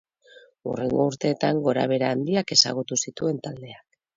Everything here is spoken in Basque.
Hurrengo urteetan gorabehera handiak ezagutu zituen taldeak.